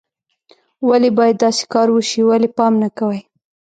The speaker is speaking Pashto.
ولې باید داسې کار وشي، ولې پام نه کوئ